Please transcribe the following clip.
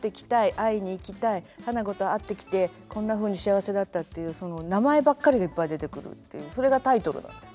会いに行きたい花子と会ってきてこんなふうに幸せだったっていうその名前ばっかりがいっぱい出てくるというそれがタイトルなんです。